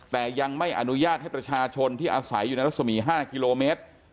แต่ยังไม่อนุญาตให้ประชาชนที่อาศัยอยู่ในรัศมี๕กิโลเมตร